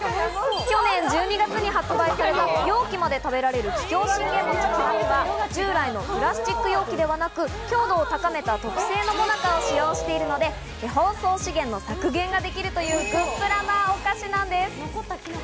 去年１２月に発売された、容器まで食べられる桔梗信玄餅極は、従来のプラスチック容器ではなく、強度を高めた特製のもなかを使用しているので、包装資源の削減ができるというグップラなお菓子なんです。